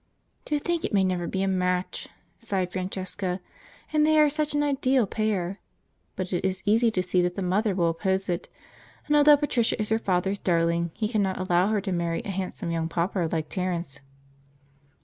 "To think it may never be a match!" sighed Francesca, "and they are such an ideal pair! But it is easy to see that the mother will oppose it, and although Patricia is her father's darling, he cannot allow her to marry a handsome young pauper like Terence."